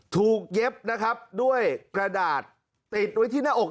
เย็บนะครับด้วยกระดาษติดไว้ที่หน้าอก